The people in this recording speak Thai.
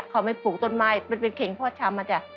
เขาไปผูกต้นไม้เป็นเข็งพอดชำ